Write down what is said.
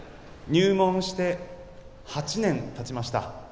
入門して８年たちました。